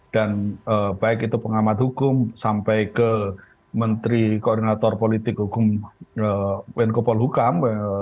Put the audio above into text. dan baik itu pengamat hukum sampai ke menteri koordinator politik hukum wengkopol hukam